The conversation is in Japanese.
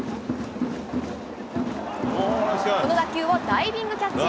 この打球をダイビングキャッチ。